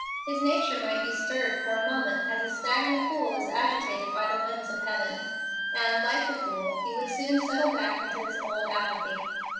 His nature might be stirred for a moment as a stagnant pool is agitated by the winds of heaven, and, like the pool, he would soon settle back into his old apathy.